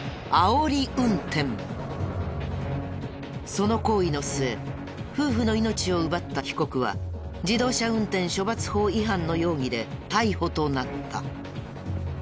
その行為の末夫婦の命を奪った被告は自動車運転処罰法違反の容疑で逮捕となった。